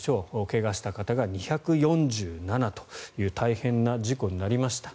怪我した方が２４７という大変な事故になりました。